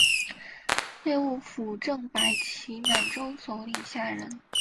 内务府正白旗满洲佐领下人。